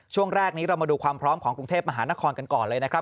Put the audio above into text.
ช่วงแรกนี้เรามาดูความพร้อมของกรุงเทพมหานครกันก่อนเลยนะครับ